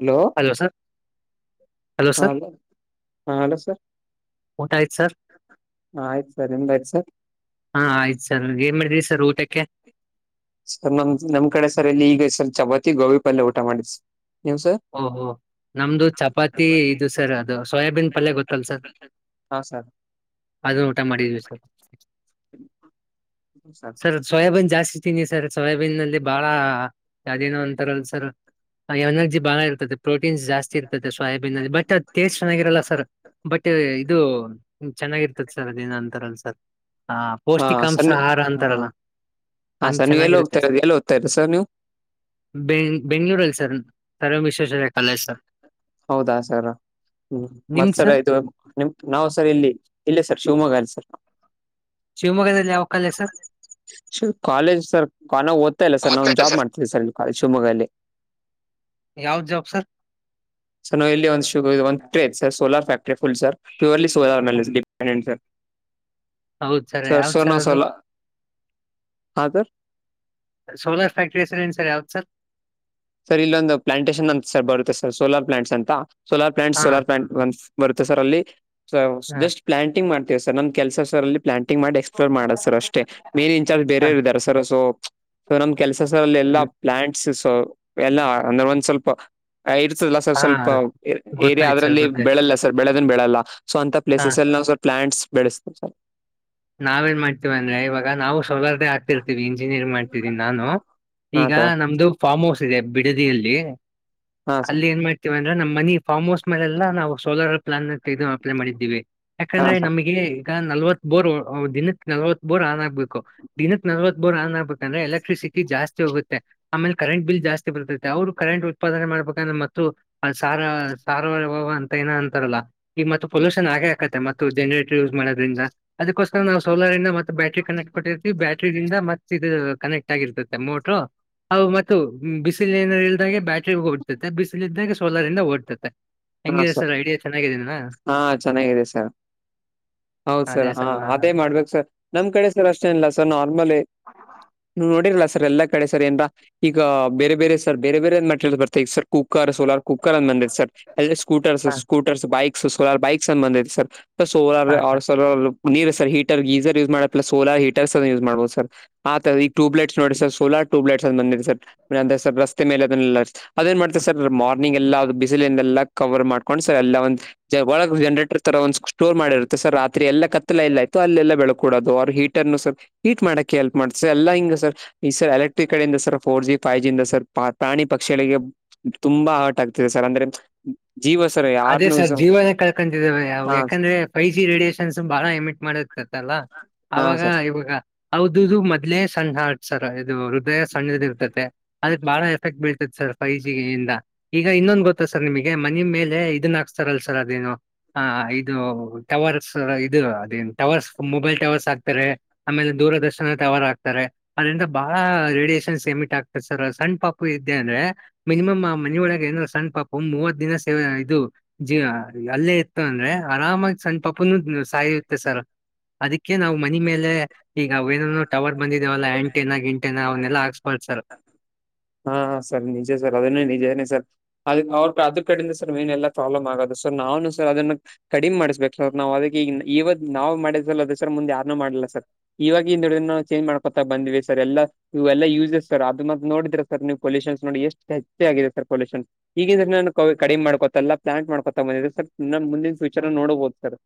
Hello, ಹಾ hello, ಹಾ hello sir ಊಟ ಆಯ್ತು ಸರ್ ಹಾ, ಆಯ್ತ ಸರ್ ನಿಮ್ದ ಆಯ್ತು ಸರ್ ಹಾ, ಆಯ್ತ ಸರ್ ಏನ್ ಮಾಡಿದ್ರಿ ಸರ್ ಊಟಕ್ಕೆ. ಸರ್ ನಮ್ ನಮ್ ಕಡೆ ಸರ್ ಇಲ್ಲಿ ಈಗ ಸರ್ ಚಪಾತಿ ಗೋಬಿ ಪಲ್ಯ ಊಟ ಮಾಡಿದ್ವಿ ಸರ್. ನೀವು ಸರ್ ಓಹೋ ನಮ್ದು ಚಪಾತಿ ಇದು ಸರ್ ಅದು ಸೋಯಾಬೀನ್ ಪಲ್ಯ ಗೊತ್ತಲ್ ಸರ್- ಹಾ, ಸರ್- ಅದುನ ಊಟ ಮಾಡಿದ್ವಿ ಸರ್ ಹ ಸ [inaudible] ಸರ್ ಸೋಯಾಬೀನ್ ಜಾಸ್ತಿತಿಂದಿನಿ ಸರ್, ಸೋಯಾಬೀನ್ಅಂದ್ರೆ ಬಾಳ ಯಾವ್ದೇನೋ ಅಂತಾರಲ್ ಸರ್. ಎನರ್ಜಿ ಬಾಳ ಇರ್ತದೆ. ಪ್ರೋಟೀನ್ಸ್ ಜಾಸ್ತಿ ಇರ್ತದೆ. ಸೋಯಾಬೀನಲ್ಲಿ ಬಟ್ ಅದು ಟೇಸ್ಟ್ ಚೆನ್ನಾಗಿರಲ್ಲ ಸರ್ ಬಟ್ ಇದು- ಚೆನ್ನಾಗಿರ್ತದೆಸರ್ ಅದೇನ ಅಂತರಲ್ ಸರ್ ಹಾ ಹಾ ಪೌಷ್ಟಿಕಾಂಶ ಸರ್ ಆಹಾರ ಹ ಹಾ ಅಂತಾರಲ್ಲ ಹಾ ಹಂಗೆ ಸರ್ ನೀವ್ ಎಲ್ಲಿ ಹೋಗ್ತಾ ಚೆನ್ನಾಗಿರುತ್ತೆ ಸಾರ್. ಇರೋದು ಎಲ್ಲಿ ಓದ್ತಾ ಇರೋದು ಸರ್ ನೀವು ಬೆಂಗ ಬೆಂಗಳೂರಲ್ಲಿ sir sir, M Visvesvaraya college sir ಹೌದಾ, ಸರ್ ಹ್ಮ ನಿಮ್ ಸರ್ ಮತ್ಸರ ಇದು ನಿಮ ನಾವು ಸರ್ ಇಲ್ಲಿ ಇಲ್ಲೇ ಸರ್ ಶಿವಮೊಗ್ಗ ಅಲ್ಲಿ ಸರ್, - ಶಿವಮೊಗ್ಗದಲ್ಲಿ ಯಾವ ಕಾಲೇಜಸರ್ ಕಾಲೇಜ ಸರ್ ನ ಓದ್ತಾ ಇಲ್ಲ ಸರ್ ನಾವು ಜಾಬ್ ಮಾಡ್ತಿದಿವಿ ಸರ್ ಶಿವಮೊಗ್ಗಲ್ಲಿ. ಯಾವ್ದ್ ಜಾಬ್ ಸರ್ ಸರ್ ನಾವುಲ್ಲಿ ಒಂದು ಒಂದು ಟ್ರೇ sir solar factory full sir purely solar ಮೇಲೆ- ಪನ್ನೆಟ ಸರ್ ಹೌದ್ ಸರ್ ಯಾವ್ದ್ ಸವಣ ಅದು ಸೋಲ ಹಾಂ ಸರ್ [unintelligible] ಸೋಲಾರ್ ಫ್ಯಾಕ್ಟ್ರಿ ಹೆಸರೇನು ಸರ್, ಯಾವ್ದ ಸರ್ ಸರ್ ಇಲ್ಲಿಒಂದು ಪ್ಲಾಂಟೇಸನಂತ ಸರ್ ಬರತ್ತೆ ಸೋಲಾರ ಪ್ಲಾಂಟ್ಸ ಅಂತ ಸೋಲಾರ್ ಪ್ಲಾಂಟ್ ಹಾ ಸೋಲ ಪ್ಲಾಂಟ್ ಒಂದ ಬರುತ್ತೆ ಸರ್ ಅಲ್ಲಿ ಹಾ ಜಸ್ಟ್ ಪ್ಲಾಂಟಿಂಗ್ ಮಾಡ್ತೇವಿ ಸರ್. ನಂದ ಕೆಲ್ಸ ಸರ್ ಅಲ್ಲಿ ಪ್ಲಾಂಟಿಂಗ್ ಮಾಡಿ ಎಕ್ಸ್ಪ್ಲೋರ್ ಮಾಡದು ಸರ್ ಅಷ್ಟೇ, ಮೇನ್ ಇನ್ಚಾರ್ಜ್ ಹಾ ಬೇರೆಯವರ್ ಇದ್ದಾರ ಸರ್ ಸೊ ಸೊ ನಮ್ ಕೆಲ್ಸ ಅಲ್ಲಿ ಎಲ್ಲಾ ಹ್ಮ್. ಪ್ಲಾಂಟ್ಸ್ ಸ ಎಲ್ಲಾ ಅಂದ್ರ ಒಂದ್ ಸ್ವಲ್ಪ ಇರ್ತದಲ್ಲಾ ಸರ್ ಹಾ ಸ್ವಲ್ಪ ಏರಿಯಾ ಗೊತ್ತಾಯ್ತು ಸರ್ ಅದ್ರಲ್ಲಿ ಗೊತ್ತಾಯ್ತು ಬೆಳೆಲ್ಲ ಸರ್ ಬೆಳೆದೆನ್ ಬೆಳಲ್ಲಾ- ಸೊ ಅಂತ ಹಾ ಪ್ಲೇಸಸ್ಲಿನಾವ ಸರ್ ಪ್ಲಾಂಟ್ಸ್ ಬೆಳಸ್ತವಿ ಸರ್. ನಾವೇನ್ ಮಾಡ್ತೀವಿ ಅಂದ್ರೆ ಇವಾಗ ನಾವು ಸೋಲಾರದೆೆ ಆಗ್ತಿರ್ತೀವಿ ಇಂಜಿನಿಯರಿಂಗ್ ಮಾಡ್ತಿದಿನಿ. ನಾನು ಹಾ ಈಗ ಸರ್ ನಮ್ದು ಫಾರ್ಮ್ ಹೌಸ್ ಇದೆ ಬಿಡದಿಯಲ್ಲಿ ಹಾ ಸರ್ ಅಲ್ಲಿ ಏನ್ ಮಾಡ- ವಂದ್ರೆ ನಮ್ಮ ಮನಿ ಫಾರ್ಮ್ ಹೌಸ್ ಮೇಲೆಲ್ಲ ನಾವು ಸೋಲರ್ ಪ್ಲಾನೇಟಗೆ ಅಪ್ಲೈ ಮಾಡಿದ್ದೀವಿ. ಹಾ ಸರ್ ಯಾಕಂದ್ರೆಮಗೆ ಈಗ ನಲವತ್ ಬೋರ್ ದಿನ ನಲ್ವತ್ ಬೋರ್ ಆನ್ ಆಗ್ಬೇಕು. ದಿನಕ್ಕೆ ನಲ್ವತ್ ಬೋರ್ ಆನ್ ಆಗ್ಬೇಕು ಅಂದ್ರೆ ಎಲೆಕ್ಟ್ರಿಸಿಟಿ ಜಾಸ್ತಿ ಹೋಗುತ್ತೆ. ಆಮೇಲೆ ಕರೆಂಟ್ ಬಿಲ್ ಜಾಸ್ತಿ ಬರ್ತೈತೆ. ಅವ್ರು ಕರೆಂಟ್ ಉತ್ಪಾದನೆ ಮಾಡ್ಬೇಕಂದ್ರೆ ಮತ್ತು ಅ ಸಾರ ಸಾರ್ವ ಅಂತ ಏನ ಅಂತಾರಲ್ಲ ಈಗ ಮತ್ತ ಪೊಲ್ಯೂಷನ್ ಆಗೆ- ಮತ್ತು ಜನರೇಟರ್ ಯೂಸ್ ಮಾಡೋದ್ರಿಂದ. ಅದಕೋಸ್ಕ ನಾವು ಸೋಲಾರಿಂದ ಮತ್ತು ಬ್ಯಾಟ್ರಿ ಕನೆಕ್ಟ್ ಕೊಟ್ಟಿ ಬ್ಯಾಟ್ರಿಂದ ಮತ್ತ ಇ ಕನೆಕ್ಟ್ ಆಗಿರ್ತತೆ ಮೋಟರು. ಅ ಮತ್ತು ಬಿಸಿಲ ಏನ ಇಲ್ದಾಗೆ ಬ್ಯಾಟ್ರಿ ಓಡ್ತದೆ, ಬಿಸಿಲಿದ್ದಾಗ ಸೋಲರಿಂದ ಓಡ್ತದೆ. ಹಾ, ಸರ್ ಹಾ ಚೆನ್ನಾಗಿದೆ ಸರ್ ಹೌದ ಸರ್, ಹಾ ಅದೇ ಮಾಡ್ಬೇಕ ಸರ್, ನಮ್ ಕಡೆ ಸರ್ ಅಷ್ಟೇನ ಇಲ್ಲ ಸರ್ ನಾರ್ಮಲಿ ನೋಡಿರ್ಲ ಸರ್ ಎಲ್ಲ ಕಡೆ ಸರ್ ಏನ್ರಾ [unintelligible] ಈಗ ಬೇರೆ, ಬೇರೆ ಸರ್ ಬೇರೆ ಬೇರೆ ಮೆಟರಿಯಲ್ಸ್ ಬರ್ತಾಇದೆ ಸರ್. ಈಗ ಕುಕ್ಕರ್ ಸೋಲಾರ್ ಕುಕ್ಕರ್ ಅಂತಬಂದಿದೆ ಸರ್. ಅಲ್ಲಿ ಸ್ಕೂಟರ್ಸ್, ಹಾ ಸ್ಕೂಟರ್ಸ್ ಬೈಕ್ಸ್ ಸೋಲಾರ್ ಬೈಕ್ಸ್ ಅ ಬಂದಐತೆ ಸರ್ ಸೋಲಾರ್ ಹಾ ಸರ್ ಆ ಸೋಲ ನೀರ್ ಸರ್ ಹೀಟರ್ ಗೀಸರ್ ಯೂಸ್ ಮಾಡಪ್ಲೆ. ಸೋಲಾರ್ ಹೀಟರ್ಸ್ ಯೂಸ್ ಮಾಡ್ಬಹದು ಸರ್. ಆತದ ಈ ಟೂಬ್ಲೈಟ್ಸ ನೋಡಿ ಸೋಲಾರ ಟೂಬಲೈಟ್ಸ್ ಆ ಬಂದಿದೆ ಸರ್. ಅ ಸರ್ ರಸ್ತೆ ಮೇಲೆ ಅದಲ್ಲ ಅದೇಏನ್ ಮಾಡ್ತಾರೆ. ಸರ್ ಮಾರ್ನಿಂಗ್ ಎಲ್ಲ ಅದು ಬಿಸಿಲಿಂದೆಲ್ಲಾ ಕವರ್ ಮಾಡ್ಕೊಂಡ್ ಸರ್ ಎಲ್ಲಾ ಒಂದ ಒಳಗ್ ಜನ್ರೇಟರ್ ತರ ಒಂದ್ ಸ್ಟೋರ್ ಮಾಡಿರುತ್ತೆ. ಸರ್ ರಾತ್ರಿ ಎಲ್ಲ ಕತ್ತಲೇಲ್ಲಾಯ್ತಅಲ್ಲೆಲ್ಲ ಬೆಳೆಕೂಡೋದು ಅವ್ರ ಹೀಟ್ ಇನ್ನು ಸರ್ ಈಟ್ ಮಾಡಕ್ ಹೆಲ್ಪ್ ಮಾಡ್ತಸರ್ ಎಲ್ಲ ಹಿಂಗ ಸರ್ ಈ ಸರ್ ಎಲೆಕ್ಟ್ರಿಕ್ ಕಡೆಯಿಂದ ಸರ್ ಫೋರ್ ಜಿ ಫೈವ ಜಿಯಿಂದ ಸರ್ ಪ್ರಾಣಿ ಪಕ್ಷಿಗಳಿಗೆ ತುಂಬಾ ಆರ್ಟ್ ಆಗ್ತಿದೆ ಸರ್ ಅಂದ್ರೆ ಜೀವಸ [unintelligible] ಅದೇ ಸರ್ ಜೀವನೇ ಕಳ್ಕಂತಿದೇವೆ ಅವು ಹಾ ಯಾಕಂದ್ರೆ ಫೈವ್ ಜಿ ರೇಡಿಯೇಷನ್ಸ್ ಬಾಳ ಎಮಿಟ್ ಮಾಡಿರ್ತತ್ತಲ್ಲಾ. ಹಾ ಅವಾಗ ಇವಾಗ ಹೌದುದು ಮೊದ್ಲೇ ಸಣ್ಣ ಹಾರ್ಟ್ ಸರ್ ಇದು ಹೃದಯ ಸಣ್ಣದ ಇರ್ತತೆ ಅದಕ್ ಬಾಳ ಎಫೆಕ್ಟ್ ಬೀಳ್ತೈದೆ ಸರ್. ಫೈವ್ ಜಿ ಇಂದ ಈಗ ಇನ್ನೊಂದು ಗೊತ್ತಾ ಸರ್ ನಿಮಗೆ ಮನೆ ಮೇಲೆ ಇದನ್ನ ಹಾಕ್ಸ್ತಾರಲ್ಲ ಸರ್ ಅದೇನೋ ಹಾ, ಇದು ಟವರ್ಸ್ ಇದು. ಅದೇನ್ ಟವರ್ಸ್ ಮೊಬೈಲ್ ಟವರ್ಸ್ ಆಕ್ತಾರೆ. ಆಮೇಲೆ ದೂರದರ್ಶನ ಟವರ ಆಕ್ತಾರೆ. ಅದ್ರಿಂದ ಬಹಳ ರೇಡಿಯೇಷನ್ಸ್ ಎಮಿಟ್ ಆಗ್ತದೆ ಸರ್ ಸಣ್ಣ್ ಪಾಪು ಇದ್ದೆ ಅಂದ್ರೆ. ಮಿನಿಮಮ್ ಮನೆ ಒಳ ಏನ್ರ ಸಣ್ಣ ಪಾಪ ಮೂವತ್ ದಿನ ಸೇವೆ ಇದು ಜೀ ಅಲ್ಲೇ ಇತ್ತು ಅಂದ್ರೆ ಆರಾಮಾಗಿ ಸಣ್ಣ ಪಾಪನು ಸಾಯುತ್ತೆ ಸರ್. ಅದಕ್ಕೆ ನಾವು ಮನೆ ಮೇಲೆ ಈಗ ಅವೇನನು ಟವರ್ ಬಂದಿದಾವಲ್ಲ ಆಂಟೆನ ಗಿಂಟೆನ ಅವ್ನ್ನಲ್ಲಾ ಹಾಕ್ಸ್ಬಾಸರ್ ಸರ್ ಹಾ, ಸರ್ ನಿಜ ಸರ್ ಅದನ್ನೇ ನಿಜೇನೆ ಸರ್ ಅದ ಅವ್ರ ಅದ ಕಡಿಂದ [unintelligible] ೇ ಸರ್ ಮೇನ್ನೆಲ್ಲಾ ಪ್ರಾಬ್ಲಮ್ ಆಗೋದು ಸರ್ ನಾವನು ಸರ್ ಅದನ್ನ ಕಡಿಮೆ ಮಾಡ್ಬೇಕ್ ಸರ್ ನಾವ್ ಅದಕ್ಕೆ ಈ ಇವಾಗ್ ನಾ್ಮಾಡಿದ್ವಲ್ಲ ಅ ದಸರ ಮುಂದೆ ಯಾರ್ನು ಮಾಡಿಲ್ಲ ಸರ್ ಇವಾಗ ಹಿಂದುಡಿದ ನ ಚೇಂಜ್ ಮಾಡ್ಕೊತಾ ಬಂದ್ವಿ ಸರ್ ಎಲ್ಲಾ ಇ ಎಲ್ಲ ಯೂಸಸ್ ಸರ್ ಅದು ಮ ನೋಡಿದ್ರ, ಸರ್ ನೀವು ಪಲ್ಯೂಷನ್ ನೋಡಿ ಎಷ್ಟು ಹೆಚ್ಚ ಆಗಿದೆ ಸರ್ ಪೊಲ್ಯೂಷನ್ ಈಗಿನಿಂದ ಸ ನನ್ ಕಡಿಮೆ ಮಾಡ್ಕೊತಲ್ಲ ಪ್ಲಾಂಟ್ ಮಾಡ್ಕೊತ ಬಂದಿದೆ ಸರ್. ನನ್ ಮುಂದಿನ ಫ್ಯೂಚರ್ ನೋಡ್ಬಹದು ಸರ್-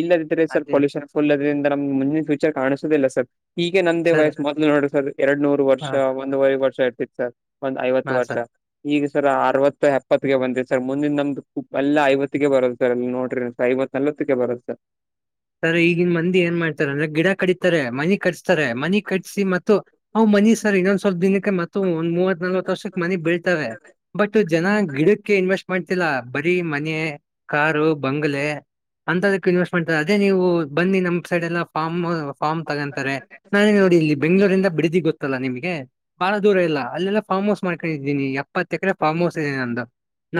ಇಲ್ಲದಿದ್ರೆ ಸರ್ ಅದೇ ಪೊಲ್ಯೂಷನ್ ಫುಲ್ ಇದ್ರಿಂದ ನಮ್ ಮುಂದಿನ ಫ್ಯೂಚರ್ ಕಾಣಿಸುದಿಲ್ಲ ಸರ್. ಈಗೆ ನಂದೇ ಸರ್ ವಯಸ್ಸು ಮೊದಲು ನೋಡ್ರಿ ಸರ್ ಎರಡ್ ನೂರು ವರ್ಷ ಹಾ ಒಂದೂವರೆ ವರ್ಷ ಇರ್ತಿತ್ತು ಸರ್. ಒಂದ್ ಐವತ್ತು ಹಾ ಸರ್. ವರ್ಷ ಈಗ ಸರ್ ಅರವತ್ತು ಎಪ್ಪತ್ತಗೆ ಬಂದಿದೆವಿ ಸರ್ ಮುಂದಿನ ನಮ್ದು ಎಲ್ಲ ಐವತ್ತಗೆ ಬರೋದು ಸರ್ ಎಲ್ಲಿ ನೋಡ್ರಿ ಐವತ್ತು. ನಲ್ಲತ್ತಕ್ಕೆ ಬರತ್ತೆ ಸರ್ ಸ ಈಗಿನ ಮಂದಿ ಏನ್ ಮಾಡ್ತಾರೆ ಅಂದ್ರೆ ಗಿಡ ಕಡಿತಾರೆ ಮನಿ ಕಟ್ಸ್ತಾರೆ ಮನಿ ಕಟ್ಸಿ ಮತ್ತು ಅವುಮನಿ ಸರ್ ಇನ್ನೊಂದ್ ಸ್ವಲ್ಪ ದಿನಕ್ಕೆ ಮತ್ತ ಒಂದ್ ಮೂವತ್ ನಲ್ವತ್ ವರ್ಷಕ್ ಮನಿ ಬೀಳ್ತವೆ. ಬಟ್ ಜನ ಗಿಡಕ್ಕೆ ಇನ್ವೆಸ್ಟ್ ಮಾಡ್ತಿಲ್ಲ ಬರೀ ಮನೆ, ಕಾರು, ಬಂಗಲೆ ಅಂತದಕ್ಕ ಇನ್ವೆಸ್ಟ್ ಮಾಡ್ತಾರೆ. ಅದೇ ನೀವು ಬನ್ನಿ ನಮ್ ಸೈಡ್ ಎಲ್ಲಾ ಫಾರ್ಮ್ ಫಾರ್ಮ್ ತಗೊಂತಾರೆ. ನಾನೆ ನೋಡಿ ಇಲ್ಲಿ ಬೆಂಗಳೂರಿಂದ ಬಿಡಿದಿ ಗೊತ್ತಲ್ಲ ನಿಮ್ಗೆ. ಬಾಳ ದೂರ ಇಲ್ಲ ಅಲ್ಲೆಲ್ಲ ಫಾರ್ಮ್ ಹೌಸ್ ಮಾಡ್ಕೊಂಡಿದ್ದೀನಿ. ಎಪ್ಪತ್ತೆಕರೆ ಫಾರ್ಮ್ ಹೌಸ್ ಇದೆನಂದು.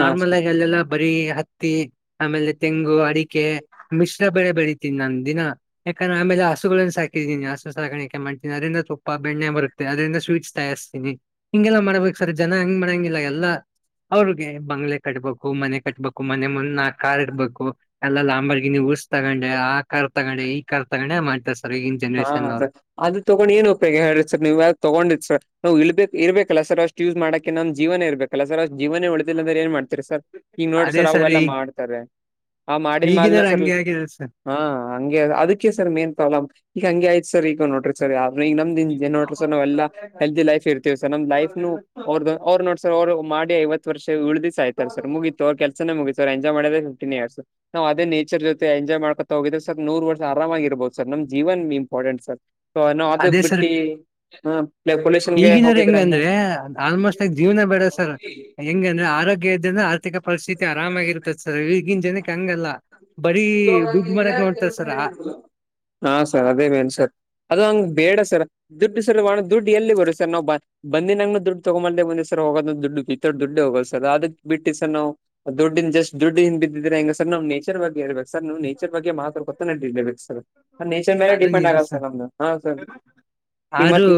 ಹಾ ಸರ್ ಆಗಿ ಅಲ್ಲೆಲ್ಲ ಬರಿ ಹತ್ತಿ ಆಮೇಲೆ ತೆಂಗು, ಅಡಿಕೆ ಮಿಶ್ರ- ಬೆಳೆ ಬೆಳಿತಿನಿ ನಾನ್ ದಿನ ಯಾಕಂದ್ರೆ ಆಮೇಲೆ ಹಸುಗಳನ್ನ ಸಾಕಿದನಿ ಹಸು ಸಾಕಾಣಿಕೆ ಮಾಡ್ತೀನಿ. ಅದ್ರರಿಂದ ತುಪ್ಪ ಬೆಣ್ಣೆ ಮರ ತಿನಿ ಅದ್ರಂದ ಸ್ವೀಟ್ಸ್ ತಯಾರ್ಸ್ತೀನಿ. ಹಿಂಗೆಲ್ಲಾ ಮಾಡ್ಬೇಕು ಸರ್ ಜನ ಹಂಗ್ ಮಾಡಂಗಿಲ್ಲ ಎಲ್ಲಾ- ಅವ್ರಿಗೆ ಬಂಗ್ಲೆ ಕಟ್ಬೇಕು ಮನೆ ಕಟ್ಬೇಕು ಮನೆ ಮುನ್ನ ನಾಕ್ ಕಾರ್ ಇಡ್ಬೇಕು. ಎಲ್ಲ ಲ ಅಂಬರ್ಗಿ ಉರ್ಸ್ ತಗೊಂಡೆ ಆ ಕಾರ್ ತಗೊಂಡೆ ಈ ಕಾರ್ ತಗೊಂಡೆ ಮಾಡ್ತರ ಸರ್ ಈಗ. ಹಾ ಸರ್ ಅದು ತಗೊಂಡ ಏನ್ ಉಪಯೋಗ ಹೇಳಿ ಸರ್ ನೀವ ತಗೊಂಡಿದ ಸರ್. ನಾವು ಇಳ್ಬೇಕ ಇರ್ಬೇಕಲ್ಲ ಸರ್ ಅಷ್ಟು ಯೂಸ್ ಮಾಡಕ್ಕೆ ನಮ್ ಜೀವನೇ ಇರ್ಬೇಕ. ಕಲ್ಲ ಸರ್ ಜೀವನೇ ಉಳಿದಿಲ್ಲ ಅಂದ್ರೆ ಏನ್ ಮಾಡ್ತೀರಿ ಸರ್ ಹಿಂಗ್ ನೋಡ್ರಿ ಅದೇ ಸರ್ ಅವೆಲ್ಲ ಈ ಮಾಡ್ತಾರೆ. ಆ ಮಾಡಿಲ್ ಮಾಲ್ನ ಈಗಿನಾರ ಸರ್ ಹಂಗೆ ಆಗಿರೋದು ಸರ್ ಹಾ ಹಂಗೆ ಅದಕ್ಕೆ ಸರ್ ಮೇನ್ ಪ್ರಾಬ್ಲ್ ಈಗ ಹಂಗೆ ಆಯ್ತ್ ಸರ್ ಈಗ ನೋಡ್ರಿ. ಸರ್ ಯಾವ್ರ ಈಗ ನಮ್ದ ಹಿಂಗೆ ನೋಡ್ರಿ ಸರ್ ನಾವೆಲ್ಲ ಹೆಲ್ದಿ ಲೈಫ್ ಇರ್ತೀವಿ ಸರ್. ನಮ್ ಲೈಫ್ನು ಅವ್ರದ ಅವ್ರ ನೋಡ್ ಸರ್ ಅವ್ರು ಮಾಡಿ ಐವತ್ತು ವರ್ಷ ಏಳ್ ದಿಸ್ ಆಯ್ತಾಲ್ಲ ಸರ್ ಮುಗಿತು ಅವ್ರ ಕೆಲ್ಸನೇ ಮುಗಿತು. ಸರ್ ಎಂಜಾಯ್ ಮಾಡೋದೆ ಫಿಫ್ಟನ್ ಇಯರ್ಸ್. ನಾವ್ ಅದೇ ನೇಚರ್ ಜೊತೆ ಎಂಜಾಯ್ ಮಾಡ್ಕೋತಾ ಹೋಗಿದ್ರ ಸರ್ ನೂರ್ ವರ್ಷ ಆರಾಮಾಗಿ ಇರ್ಬೋದು. ಸರ್ ನಮ್ ಜೀವನ್ ಇಂಪಾರ್ಟೆಂಟ್ ಸೊ ನಾವ್ ಅದಕ್ಕ್ ಬಿಟ್ಟಿ. ಪೊಲ್ಯೂಷನ್ಗೆ ಈಗಿನಾರ ಹೋಗಿದ್ರೆ ಹಂಗ ಹೆಂಗಂದ್ರೆ ಆಲ್ಮೋಸ್ಟ್ ಆ ಜೀವನ ಬೇಡ ಸರ್ ಹೆಂಗಂದ್ರೆ ಆರೋಗ್ಯ ಇದ್ರನ್ ತಿಕಾ ಪರಿಸ್ಥಿತಿ ಆರಾಮಾಗಿರ್ತದ ಸರ್ ಈಗಿನ ಜನಕ್ಕೆ ಹಂಗಲ್ಲ. ಬರೀ ಉದ್ಯೋಗ ದುಡ್ಡು ಹಂಗಿದ್ರೆ ಮಾಡ್ಕ್ ನೋಡ್ತಾರ ಕೆಲ್ಸ ಸರಾ. ನಡೀತದಲ್ಲ. ಹಾ ಸರ್ ಅದೇ ಮೇನ್ ಸರ್ ಅದು ಹಂಗ್ ಬೇಡ ಸರ್. ದುಡ್ಡು [unintelligible] ದುಡ್ಡು ಎಲ್ಲಿ ಬರುತ್ ಸರ್ ನಾ ಬಾ ಬಂದಿ ನಂಗ್ನು ದುಡ್ಡು ತಗೊಬಂದೆ ಬಂದೆ ಸರ್ ಹೋಗೋದ್ನು ದುಡ್ಡು ಕಿತ್ತ ದುಡ್ಡೆ ಹೋಗೋದ ಸರ್. ಅದಕ್ ಬಿಟ್ಟಿ ಸರ್ ನಾವು, ದುಡ್ಡಿನ ಜಸ್ಟ್ ದುಡ್ ಹಿಂದ ಬಿದ್ದಿದ್ರೆ ಹೆಂಗ ಸರ್ ನಾವು ನೇಚರ್ ಬಗ್ಗೆ ಹೇಳ್ಬೇಕ ಸರ್ ನೀವು ನೇಚರ್ ಬಗ್ಗೆ ಮಾತಾಡ್ಕೋ [unintelligible] ಬೇಕ್ ಸರ್ ನೇಚರ್ ಮೇಲೆ ಅದು ಡಿಪೆಂಡ್ ಆಗ್ದ್ ಸರ್ ನಮ್ದು ಹ ಸರ್. ಈಗ ಆರು. ಮತ್ತೆ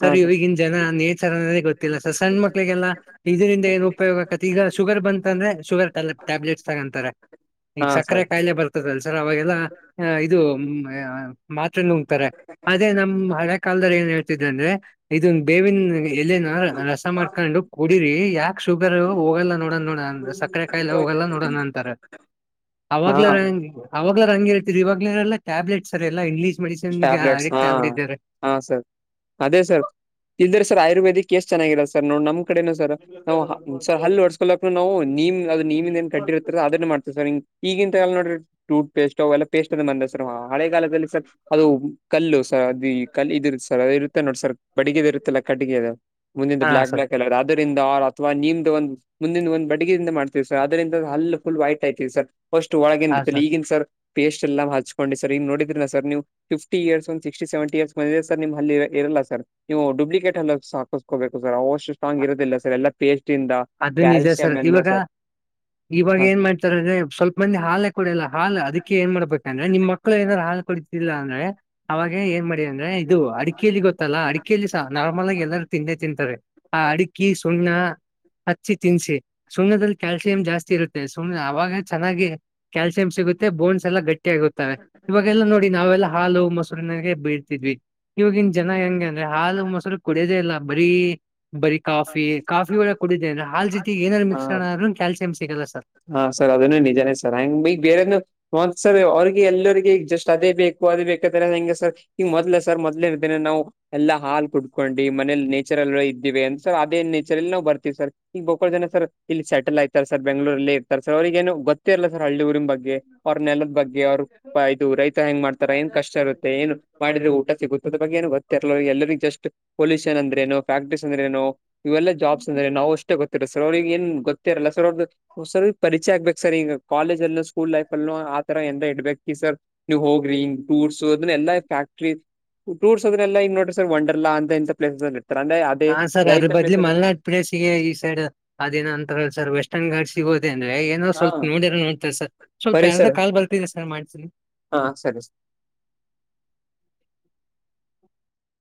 ಸರ್ ಇವ್ಗಿನ ಜನ ನೇಚರ್ ಅನ್ನೋದೇ ಗೊತ್ತಿಲ್ಲ ಸರ್ ಸಣ್ಣ ಮಕ್ಳಿಗೆಲ್ಲಾ ಇದರಿಂದ ಏನ್ ಉಪಯೋಗ. ಕತಿ ಈಗ ಶುಗರ್ ಬಂತ ಅಂದ್ರೆ ಶುಗರ್ ಟಲ್ ಟ್ಯಾಬ್ಲೆಟ್ಸ್ ತಗಂತಾರೆ ಈಗ ಹಾ ಸಕ್ಕರೆ ಸರ್ ಕಾಯಿಲೆ ಬರ್ತದಲ್. ಅವಾಗೇಲ್ಲ ಇದು ಮಾತ್ರೆ ನುಂಗತಾರೆ ಅದೇ ನಮ್ ಹಳ್ಗ್ ಕಾಲದಲ್ಲಿ ಏನ್ ಹೇಳ್ತಿದೆ ಅಂದ್ರೆ ಇದೂ ಬೇವಿನ ಎಲೆನಾ. ಅರ್ ರಸ ಮಾಡ್ಕೊಂಡು ಕುಡಿರಿ ಯಾಕ ಶುಗರ್ ಹೋಗಲ್ಲ ನೋಡಣ. ನೋಡನ್ ಸಕ್ಕರೆ ಕಾಯಿಲೆ ಹೋಗಲ್ಲ ನೋಡೋಣ ಅಂತಾರೆ. ಹಾ ಅವಾಗ್ಲೆ ನಂಗ್ ಅವಾಗ್ಲರ ಹಂಗ ಹೇಳ್ತಿದಿವಿ ಇವಾಗ್ಲ್ರ ಎಲ್ಲ ಟ್ಯಾಬ್ಲೆಟ್ ಸರ್ ಎಲ್ಲ ಇಂಗ್ಲಿಷ್ ಮೆಡಿಸಿನ್ಗೆ ಆ ಟ್ಯಾಬ್ಲೆಟ್ಸ್ ಹಾ ಅಡಿಕ್ಟ್ ಆಗ್ ಬಿಟ್ಟಿ ಇದ್ದಾರೆ ಹಾ ಸರ್ ಅದೇ ಸರ್ ಇಲ್ದ್ರ ಸರ್ ಆಯುರ್ವೇದಿಕ್ ಕೇಸ್ ಚೆನ್ನಾಗಿರಲ್ಲ ಸರ್ ನೋಡ್ ನಮ್ ಕಡೆನು ಸರ್. ನಾವು ಸರ್ ಹಲ್ಲ ಹೊಡ್ಸ್ಕೊಲಕ್ನು ನಾವು ನಿಮ್ ಅದ ನೀಮಿಂದ ಏನ್ ಕಡ್ಡಿರುತ್ರ್ ಅದನ್ನೇ ಮಾಡ್ತೇವಿ ಸರ್. ಹಿಂಗ್ ಈಗಿಂತವ್ ಎಲ್ ನೋಡ್ರಿ ಟೂತ್ ಪೇಸ್ಟ್ ಅವ್ ಎಲ್ಲ ಪೇಸ್ಟ್ ಅದ್ ಬಂದವ್ ಸರ್. ಹಳೆಗಾಲದಲ್ಲಿ ಸರ್ ಅದು, ಕಲ್ಲು ಸರ್ ಅದಿ ಕಲ್ ಇದ ಇರುತ್ತ ಸರ್ ಅದೇ ಇರುತ್ತೆ ನೋಡಿ ಸರ್ ಬಡಿಗಿದ್ ಇರುತ್ತಲ್ಲ ಕಟ್ಟಿಗೆದ. ಮುಂದಿಂದ ಹಾ ಬ್ಲಾಕ್ ಸರ್ ಬ್ಲಾಕ್ ಕಲರ್ ಅದ್ ಅದರಿಂದ ಆರ್ ಅಥವಾ ನಿಮ್ದ ಒಂದು ಮುಂದಿನ ಒಂದ್ ಬಡಿಗೆಯದಿಂದ ಮಾಡ್ತೀವಿ ಸರ್ ಅದರಿಂದ ಹಲ್ಲ ಫುಲ್ ವೈಟ್ ಆಯತವಿ ಸರ್. ಫಸ್ಟ್ ಒಳಗಿಂದ ಇಲ್ಲಿಗಿಂದ ಸರ್ ಪೇಸ್ಟ್ ಎಲ್ಲ ಹಚ್ಕೊಂಡೆ ಸರ್ ಈಗ ನೋಡಿದ್ರಲ ಸರ್ ನೀವು. ಫಿಫ್ಟಿ ಇಯರ್ಸ್ ಒಂದ್ ಸಿಕ್ಸ್ಟಿ ಸೆವೆಂಟಿ ಇಯರ್ಸ್ ಬಂದಿದೆ ಸರ್ ನಿಮ್ ಹಲ್ಲ ಇರಲ್ಲ ಸರ್. ನೀವು ಡುಪ್ಲಿಕೇಟ್ ಹಲ್ಲಾಕ್ಸ ಹಾಕಸ್ಗೊಬೇಕು ಸರ್. ಅವಷ್ ಸ್ಟ್ರಾಂಗ್ ಇರೋದಿಲ್ಲ ಸರ್ ಎಲ್ಲ ಪೇಸ್ಟ್ ಇಂದ ಅದು ನಿಜ ಕ್ಯಾಲ್ಸಿಯಮ್ ಎಲ್ಲ ಇವಾಗ ಸರ್. ಇವಾಗ ಏನ್ ಮಾಡ್ತಾರಂದ್ರೆ ಸ್ವಲ್ಪ್ ಮಂದಿ ಹಾಲೆ ಕುಡಿಯಲ್ಲ. ಹಾಲ್ ಅದಿಕ್ಕೆ ಏನ್ ಮಾಡ್ಬೇಕಂದ್ರೆ ನಿಮ್ಮ ಮಕ್ಳು ಏನರ ಹಾಲ್ ಕುಡಿತಿಲ್ಲ ಅಂದ್ರೆ ಅವಾಗೆ ಏನ್ ಮಾಡ ಅಂದ್ರೆ ಇದು ಅಡಿಕೆಯಲ್ಲಿ ಗೊತ್ತಲ್ಲಾ ಅಡಿಕೆಯಲ್ಲಿ ಸಹ ನಾರ್ಮಲ್ ಆಗಿ ಎಲ್ಲರೂ ತಿಂದೆ ತಿಂತಾರೆ. ಆ ಅಡಿಕಿ ಸುಣ್ಣ. ಹಚ್ಚಿ ತಿನ್ಸಿ ಸುಣ್ಣದಲ್ಲಿ ಕ್ಯಾಲ್ಸಿಯಂ ಜಾಸ್ತಿ ಇರುತ್ತೆ ಸುಮ್ನೆ ಅವಾಗ ಚೆನ್ನಾಗಿ ಕ್ಯಾಲ್ಸಿಯಂ ಸಿಗುತ್ತೆ ಬೋನ್ಸ್ ಎಲ್ಲಾ ಗಟ್ಟಿ ಆಗುತ್ತೆ. ಇವಾಗೆಲ್ಲ ನೋಡಿ ನಾವೆಲ್ಲಾ ಹಾಲು ಮೊಸರಿನಾಗೆ ಬೇಳ್ತಿದ್ವಿ ಇವಾಗಿನ್ ಜನ ಹೆಂಗೆ. ಅಂದ್ರೆ ಹಾಲು ಮೊಸರು ಕುಡಿಯುವುದೇ ಇಲ್ಲಾ ಬರೀ ಬರಿ. ಕಾಫಿ ಕಾಫಿ ಒಳಗೆ ಕೂಡಿದೆ ಇದ್ರೆ ಹಾಲ್ ಹ ಜತಿಗ್ ಏನರ ಮಿಕ್ಸಣ ಹಾ ಆದ್ರೂ ಕ್ಯಾಲ್ಸಿಯಂ ಸಿಗಲ್ಲ ಸರ್. ಹಾ ಸರ್ ಅದನು ನಿಜಾನೇ ಸರ್ ಹಂಗ ಬಿ ಬೇರೆನು. ಒಂದ ಸರೆ ಅವ್ರಿಗೆ ಎಲ್ಲರಿಗೆ ಜಸ್ಟ್ ಅದೇ ಬೇಕು ಅದೇ ಬೇಕತ್ತರ ಹೆಂಗೆ ಸರ್. ಈಗ ಮೊದ್ಲ ಸರ್ ಮೊದ್ಲೇ ದಿನ ನಾವು ಎಲ್ಲ ಹಾಲ್ ಕುಡ್ಕೊಂಡಿ ಮನೇಲಿ ನೇಚರ್ಲ್ ಇದ್ದೀವಿ ಅಂತ ಸರ್ ಅದೇ ನೇಚರ್ಲ್ಲಿ ನಾವ್ ಬರ್ತೀವಿ ಸರ್ ಈಗ ಒಬಕ್ಕಳ ಜನ ಸರ್ ಇಲ್ಲಿ ಸೆಟಲ್ ಆಯತ ಸರ್ ಬೆಂಗ್ಳೂರಲ್ಲಿ ಸರ್ ಅವ್ರಿಗೆನು ಗೊತ್ ತ್ತೆಲ್ಲ ಸರ್ ಹಳ್ಳಿ ಊರಿನ್ ಬಗ್ಗೆ ಅವ್ರ ನೆಲದ ಬಗ್ಗೆ ಅವ್ರ ಇದು ರೈತ ಹೆಂಗ ಮಾಡ್ತಾರ ಏನ್ ಕಷ್ಟ ಇರುತ್ತೆ ಏನು. ಮಾಡಿದ್ರೆ ಊಟ ಸಿಗುತ್ತದ ಬಗ್ಗೆ ಏನು ಗೊತ್ತಿರಲ್ಲಿಲ್ಲ ಎಲ್ಲರಗೂ ಜಸ್ಟ್ ಪೊಲ್ಯೂಷನ್ಂದ್ರ ನು ಫ್ಯಾಕ್ಟ್ರೀಸ್ ಅಂದ್ರೆನು. ಇವೆಲ್ಲ ಜಾಬ್ಸ್ ಅಂದ್ರೆ ನಾವ ಅಷ್ಟೇ ಗೊತ್ತಿರ ಸರ್ ಅವ್ರಿಗೆ ಏನ್ ಗೊತ್ತೆರಲ್ಲ ಸರ್ ಅವ್ರದ. ಹು ಸರ್ ಪರಿಚಯ ಆಗ್ಬೇಕು ಸರ್ ಈಗ ಕಾಲೇಜಲ್ಲೂ ಸ್ಕೂಲ್ ಲೈಫ್ ಅಲ್ಲೂ ಆ ತರ ಎಂದ ಇಡ್ಬೇಕ ಸರ್. ನೀವ್ ಹೋಗ್ರಿ ಹಿಂಗ್ ಟೂರ್ಸ ಅದನ್ ಎಲ್ಲಾ ಫ್ಯಾಕ್ಟರಿ. ಟೂರ್ಸ್ ಅದ್ರೆಲ್ಲ ಈಗ ನೋಡ್ರಿ ಸರ್ ಒಂಡರಲಾ ಅಂತ ಇಂತ ಪ್ಲೇಸ್ ಅದರಿ ಈಗ ಅದೇ. ಹಾ ಅದ್ರ ರೈತ ಬದ್ಲಿ ಪ್ಲೇಸ್ ಅಲ್ಲಿ ಮಲ್ನಾಡ್ ಪ್ಲೇಸಿಗೆ ಈ ಸೈಡ್ ಅದೇನೋ ಅಂತರಲಾ ಸರ್ ವೇಸ್ಟ ನ್ ಗಾಡ್ಸಗೆ ಹೋದೆ ಅಂದ್ರೆ ಏನರ ಹಾ ಸ್ವಲ್ಪ ನೋಡೇರ ನೋಡ್ತಾರ್ ಸರ್ ಸ್ವಲ್ಪ ಬರಿ ಯಾರದ ಸರ್ ಕಾಲ್ ಬರ್ತೀದೇ ಸರ್ ಮಾಡ್ತೀನಿ. ಹಾ ಸರಿ ಸರಿ